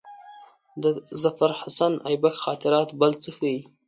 د ظفرحسن آیبک خاطرات بل څه ښيي.